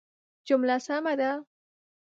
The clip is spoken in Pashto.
جمله سمه ده